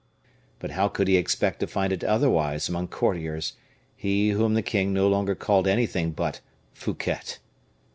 But how could he expect to find it otherwise among courtiers, he whom the king no longer called anything but _Fouquet?